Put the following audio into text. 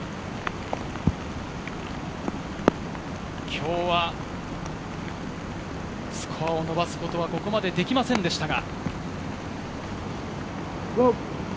今日はスコアを伸ばすことはここまでできませんでしたが。